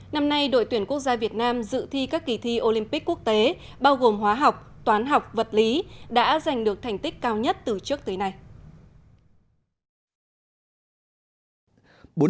năm nay đội tuyển quốc gia việt nam dự thi các kỳ thi olympic quốc tế bao gồm hóa học toán học vật lý đã giành được thành tích cao nhất từ trước tới nay